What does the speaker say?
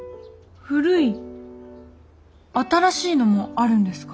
新しいのもあるんですか？